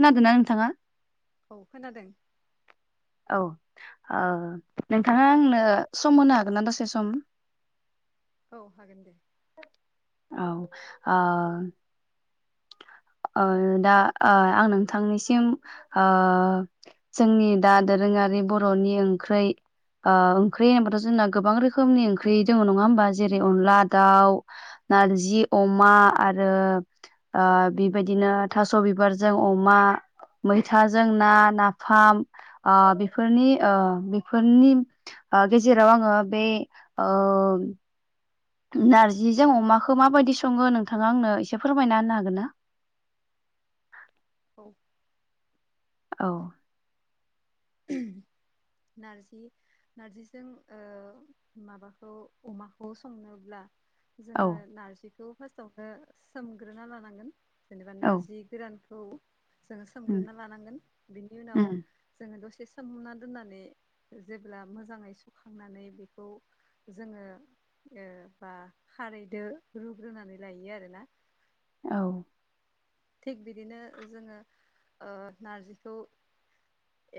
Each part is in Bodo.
खोनादोंना नोंथाङा औ खोनादों औ ओ नोंथाङा आंनो सम होनो हागोन ना दासे सम औ हागोन दे औ आ दा आं नोंथांनिसिम आ जोंनि दा दोरोङारि बर'नि ओंख्रै ओंख्रि होनोबाथ जोंना गोबां रोखोमनि ओंख्रि दङ नङा होमबा जेरै अनला दाउ नारजि अमा आरो बेबायदिनो थास' बिबारजों अमा मैथाजों ना नाफाम बेफोरनि बेफोरनि आ गेजेराव आङो बे ओ नार्जिजों अमाखौ माबायदि सङो नोंथाङा आंनो एसे फोरमायना होनो हागोन ना औ औ नारजि नारजिजों माबाखौ अमाखौ संनोब्ला जोङो औ नारजिखौ फार्स्टआवनो सोमग्रोना लानांगोन जेनेबा औ नारजि गोरानखौ जोङो उम सोमग्रोनना लानांगोन बिनि उनाव उम जोङो दसे सोमना दोननानै जेब्ला मोजाङै सुखांनानै बेखौ जोङो बा खारैदो रुग्रोनानै लायो आरोना औ थिग बिदिनो जोङो नारजिखौ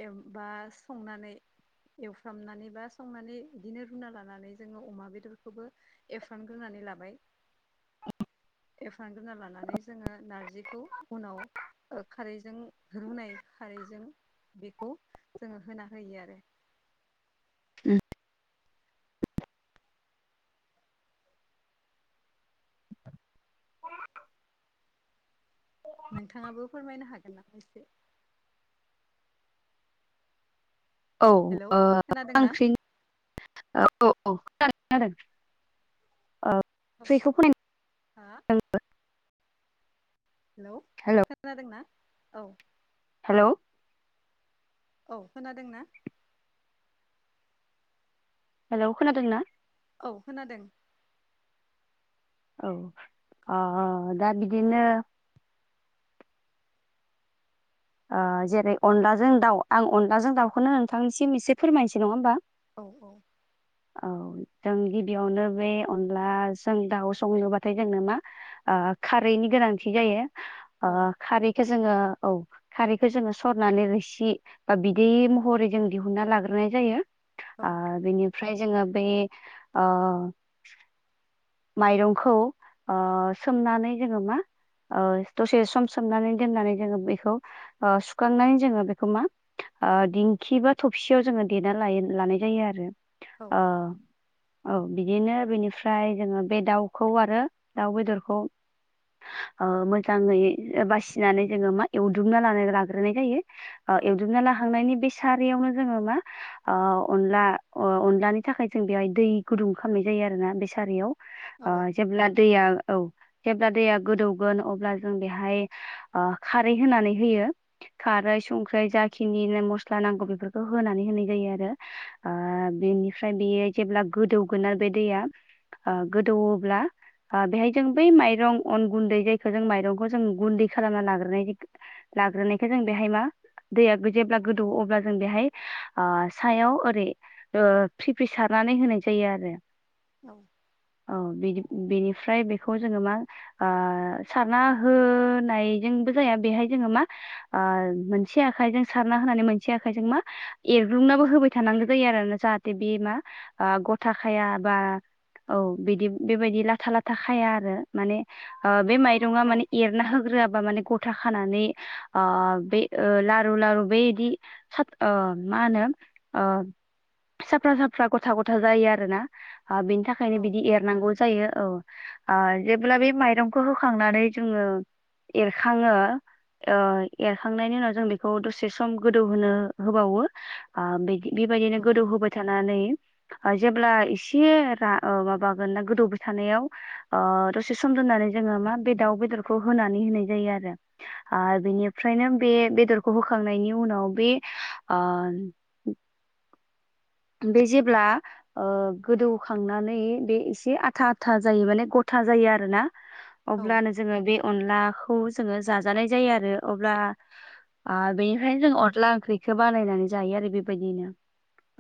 एबा संनानै एवफ्रामनानै बा संनानै बिदिनो रुना लानानै जोङो अमा बेदरखौबो एवखांग्रोनानै लाबाय [inaudible] एवफ्रामग्रोना लानानै जोङो नारजि बेखौ उनाव खारैजों रुनाय खारैजों बेखौ जोङो होना होयो आरो उ नोंथाङाबो फोरमायनो हागोन नामा एसे औ ओ हेलौ मा खोनादोंना ओंख्रि औ औ खोनादों खोनादों औ फ्रिखौ [unintelligible] हा जोंबो [unintelligible] हेल' हेलौ खोनादोंना औ हेल' औ खोनादोंना हेलौ खोनादों ना औ खोनादों औ आ दा बिदिनो आ जेरै अनलाजों दाउ आं अनलाजों दाउखौनो नोंथांनिसिम एसे फोरमायनोसै नङा होमबा औ औ औ जों गिबियावनो बे अनलाजों दाउ संनोबाथाय जोंनो मा आ खारैनि गोनांथि जायो आ औ खारैखौ जोङो औ खारैखौ जोङो सरनानै रोसि बा बिदै महरै जों दिहुनन्ना लाग्रोनाय जायो आ औ बिनिफ्राय जोङो बे आ माइरंखौ आ सोमनानै जोङो मा दसे सम सोमनानै दोननानै जोङो बेखौ सुखांनानै जोङो बेखौ मा दिंखि बा थबसियाव जोङो देना लानाय जायो आरो औ आ औ बिदिनो बिनिफ्राय जोङो बे दाउखौ आरो दाउ बेदरखौ ओ मोजाङै बासिनानै जोङो मा एवदुमना लानाय लाग्रोनाय जायो औ एवदुबना लाखांनायनि बे सारियावनो जोङो मा ओ अनला अनलानि थाखाय जों बेहाय दै गुदुं खालामनाय जायो आरोना बे सारायाव ओ औ जेब्ला दैया औ जेब्ला दैया गोदौगोन अब्ला जों बेहाय आ खारै होनानै होयो खारै संख्रि जाखिनि मस्ला नांगौ बेफोरखौ होनानै होनाय जायो आरो ओ बेनिफ्राय बेयो जेब्ला गोदौगोन ना बे दैया आ गोदौब्ला ओ बेहाय जों बै माइरं अन गुन्दै जायखौ जों माइरंखौ जों गुन्दै खालामना लाग्रोनाय जाय लाग्रोनायखो जों बेहाय मा दैया जेब्ला गोदौओ अब्ला जों आ बेहाय सायाव ओरै ओ फ्रि फ्रि सारनानै होनाय जायो आरो औ औ बिदि बिनिफ्राय बेखौ जोङो मा आ सारनाय होनायजोंबो जाया बेहाय जोङो मा आ मोनसे आखाइजों सारना होनानै मोनसे आखाइजों मा एरग्रुंनाबो होबाय थानांगौ जायो आरोना जाहाथे थे बे मा आ गथाखाया बा औ बिदि बेबायदि लाथा लाथा खाया आरो माने ओ बे माइरङा औ माने एर ना होग्रोबा माने गथा खानानै आ बे ओ लारु लारु बेदि स ओ मा होनो ओ साफ्रा साफ्रा गथा गथा जायो आरोना ओ बिनि थाखायनो बिदि एर नांगौ जायो औ जेब्ला बे माइरंखौ होखांनानै जोङो एरखाङो ओ एरखांनायनि उनाव जों बेखौ दसे सम गोदौहोनो होबावो आ बिदि बेबायदिनो औ गोदौहोबाय थानानै जेब्ला एसे रा ओ माबागोन ना गोदौबाय थानायाव अ दसे सम दोननानै जोङो मा बे दाउ बेदरखौ होनानै होनाय जायो आरो आ बिनिफ्रायनो बे बेदरखौ होखांनायनि उनाव बे आ बे जेब्ला ओ गोदौखांनानै बे एसे आथा आथा जायो माने गथा जायो आरोना [inaudible] अब्लानो जोङो बे अनलाखौ जोङो जाजानाय जायो आरो अब्ला आरो बेनिफ्रायनो जों अन्ला ओंख्रिखौ बानायनानै जायो आरो बेबायदिनो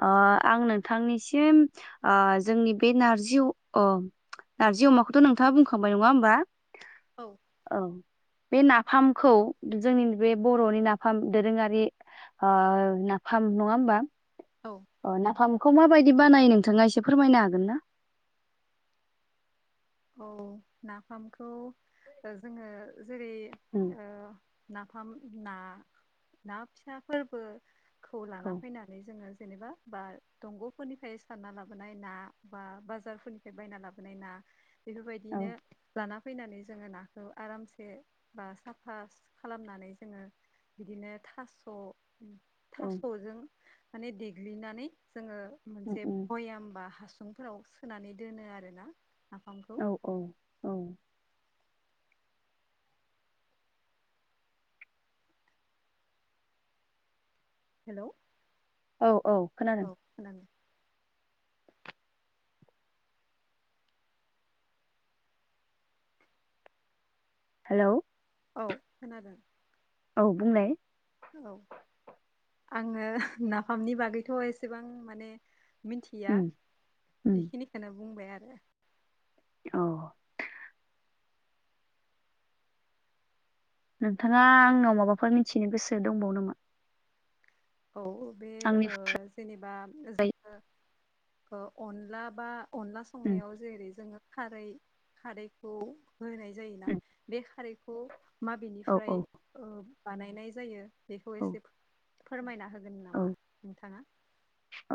ओ आं नोंथांनिसिम जोंनि बे नारजि नारजि अमाखौथ' नोंथाङा बुंखांबाय नङा होमबा औ औ बे नाफामखौ जोंनि बे बर'नि नाफाम दोरोङारि ओ नाफाम नङा होमबा औ अ नाफामखौ माबायदि बानायो नोंथाङा एसे फोरमायनो हागोन ना औ नाफामखौ जोङो जेरै उम ओ नाफाम ना ना फिसा फोरबोखौ लाना औ फैना नै जोङो जेनेबा बा दंग'फोरनिफ्राय सारना लाबोनाय ना बा बाजारफोरनि बायना लाबोनाय ना बेफोरबायदिनो औ जाना फैनानै जोङो नाखौ आरामसे बा साफा खालामनानै जोङो बिदिनो थास' औ थास'जों माने देग्लिनानै जोङो उम मोनसे उम पयाम बा हासुंफोराव सोनानै दोनो आरो ना औ औ औ हेलौ औ औ खोनादों औ खोनादों हेलौ औ खोनादों औ बुंलाय औ आङो नाफामनि बागैथ' एसेबां माने मिथिया उम उम बेखिनिखौनो बुंबाय आरो औ नोंथाङा आंनाव माबाफोर मिथिनो गोसो दंबावो नामा औ बे आंनि ओ जेनेबा जोङो अनला बा अनला उम संनायाव जेरै जोङो खारै खारैखौ होनाय जायोना उम बे खारैखौ औ माबेनिफ्राय औ ओ बानायनाय जायो बेखौ औ एसे फोरमायना होगोन नामा औ नोंथाङा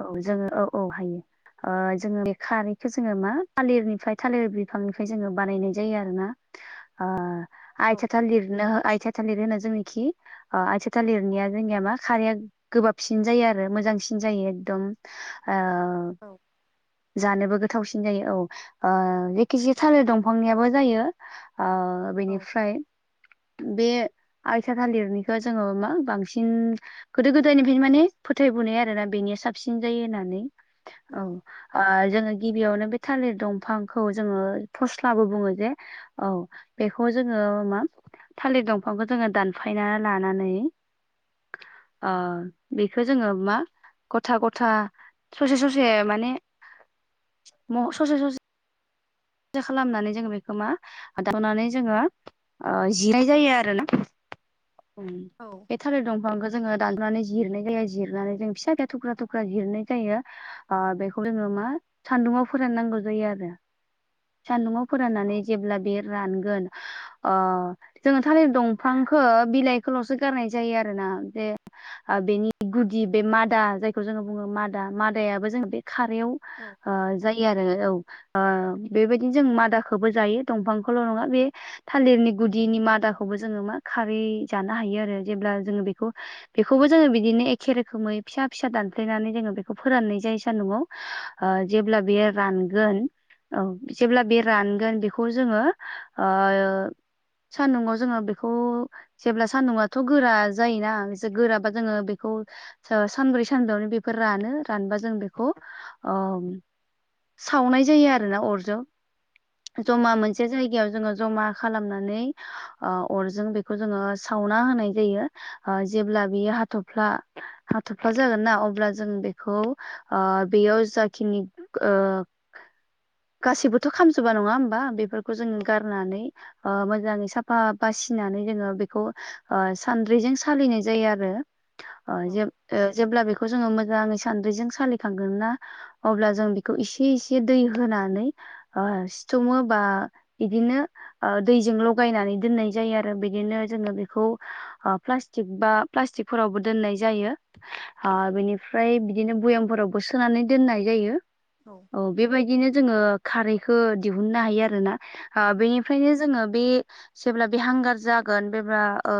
औ जोङो औ औ हायो ओ जोङो बे खारैखौ जोङो मा थालिरनिफ्राय थालिर बिफांनिफ्राय जोङो बानायनाय जायो आरो ना ओ औ आइथिया थालिरनि आइथिया थालिर होनो जोंनिखि ओ आयथि थालिरनाया जोंनिया मा खारैया गोबाबसिन जायो आरो मोजांसिन जायो एकदम ओ औ जानोबो गोथावसिन जायो औ ओ जेखिजाया थालिर दंफांनियाबो जायो ओ औ बेनिफ्राय बे आइथिया थालिरनिखौ जोङो मा बांसिन गोदो गोदायनिफ्रायनो माने फोथायबोनाय आरोना बेनिया साबसिन जायो होननानै ओं ओ जोङो गिबियावनो बे थालिर दंफांखौ जोङो फस्लाबो बुङो जे औ बेखौ जोङो मा थालिर दंफांखौ जोङो दानफायना लानानै ओ बेखौ जोङो मा गथा गथा ससे ससे माने ससे ससे खालामनानै जोङो बेखौ मा दावनानै जोङो ओ जिनाय जायो आरो ना औ थालिर दंफांखौ जोङो दाननानै जिरनाय जायो जिरनानै जों फिसा दा थुख्रा थुख्रा जिरनाय जायो ओ बेखौ जोङो मा सान्दुङाव फोराननांगौ जायो आरो सान्दुङाव फोराननानै जेब्ला बे रानगोन अ जोङो थालिर दंफांखौ बिलाइखौल'सो गारनाय जायो आरोना बेे बेनि गुदि बे मादा जायखौ जोङो बुङो मादा मादायाबो जोङो बे खारैयाव औ ओ जायो आरो औ बेबायदिनो जों मादाखौबो जायो दंफांखौल' नङा बे थालिरनि गुदिनि मादाखौबो जोङो मा खारै जानो हायो आरो जेब्ला जोङो बेखौ बेखौबो जोङो बिदिनो एखे रोखोमै फिसा फिसा दानफ्लेनानै जोङो बेखौ फोराननाय जायो सानदुङाव ओ जेब्ला बेयो औ रानगोन औ जेब्ला बे रानगोन बेखौ जोङो ओ सानदुङाव जोङो बेखौ जेब्ला सान्दुंआथ' गोरा जायोना बिसोर गोराबा जोङो बेखौ सानब्रै सानबायावनो बेफोर रानो रानबा जों बेखौ सावनाय जायो आरोना अरजों जमा मोन से जायगायाव जोङो जमा खालामनानै ओ अरजों बेखौ जोङो सावना होनाय जायो जेब्ला बेयो हाथ'फ्ला हाथ'फ्ला जागोन ना अब्ला जों बेखौ बेयाव जाखिनि ओ गासैबोथ' खामजोबा नङा होमबा बेफोरखौ जों औ गारनानै ओ मोजाङै साफा बासिनानै जोङो बेखौ ओ सान्द्रिजों सालिनाय जायो आरो ओ जे जेब्ला बेखौ जोङो मोजाङै सान्द्रिजों सालिखांगोन ना अब्ला जों बेखौ इसे एसे दै होनानै सिथङो बा बिदिनो दैजों लगायनानै दोननाय जायो आरो बिदिनो जोङो बेखौ प्लास्टिक बा प्लास्टिकफोरावबो दोननाय जायो। बिनिफ्राय बिदिनो भयामफोरावबो सोनानै दोननाय जायो। औ। औ बेबायदिनो जोङो खारैखौ दिहुननो हायो आरोना औ बेनि ओखायनो जोङो बे जेब्ला बे हांगार जागोन बेब्ला ओ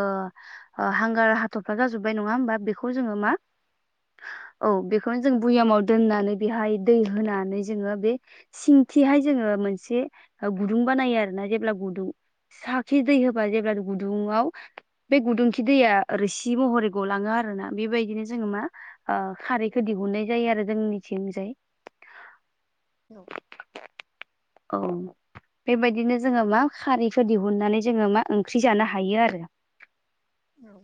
हांगार हाथरफ्रा जाजोबबाय नङा होमबा बेखौ जोङो औ मा औ बेखौनो जों भुयामाव दोननानै बेहाय दै होनानै जोङो बे सिंखिहाय जोङो मोनसे गुदुं बानायो आरो ना जेब्ला गुदुं साखि दै होबा जेब्ला गुदुङाव बे गुदुंखि दैया ओरैसि महरै गलाङो आर ना बेबायदिनो जोङो मा औ खारैखौ दिहुननाय जायो आरो जोंनिथिंजाय न'। औ। बेबायदिनो जोङो मा खारैखौो दिहुननानै जोङो मा ओंख्रि जानो हायो आरो। औ।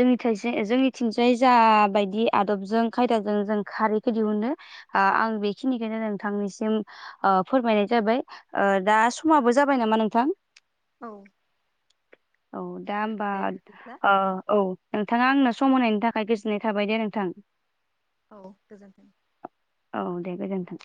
जोंनि जोंनिथिंजायै ज बायदि आदबजों खायदाजों जों खारैखौ दिहुनो। ओ आं बेखिनिखौनो नोंथांनिसिम फोरमायनाय जाबाय दा समाबो जाबाय नामा नोंथां? औ। औ दा होमबा दे बिदिब्ला औ। नोंथाङा आंनो सम होनायनि थाखाय गोजोननाय थाबाय दे नोंथां। औ गोजोन्थों। औ दे गोजोन्थों।